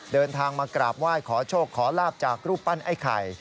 เดินทางมากราบไหว้ขอโชคขอลาบจากรูปปั้นไอ้ไข่